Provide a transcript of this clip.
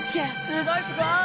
すごいすごい！